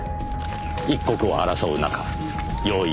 一刻を争う中用意